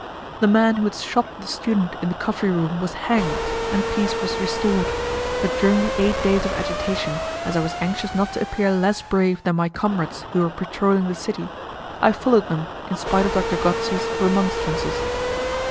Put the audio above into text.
The man who had shot the student in the coffee room was hanged, and peace was restored; but during the eight days of agitation, as I was anxious not to appear less brave than my comrades who were patrolling the city, I followed them in spite of Doctor Gozzi's remonstrances.